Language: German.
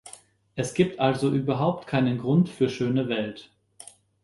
Es gibt also überhaupt keinen Grund für schöne Welt.